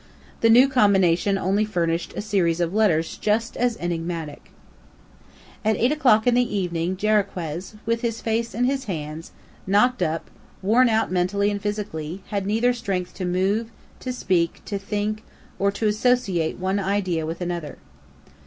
The new combination only furnished a series of letters just as enigmatic. At eight o'clock in the evening Jarriquez, with his face in his hands, knocked up, worn out mentally and physically, had neither strength to move, to speak, to think, or to associate one idea with another.